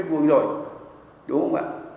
đúng không ạ